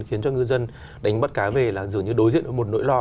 khiến cho ngư dân đánh mất cá về là dường như đối diện một nỗi lo